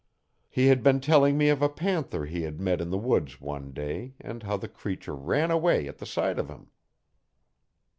He had been telling me of a panther he had met in the woods, one day, and how the creature ran away at the sight of him.